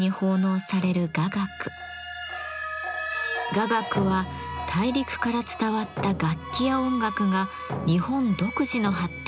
雅楽は大陸から伝わった楽器や音楽が日本独自の発展を遂げたもの。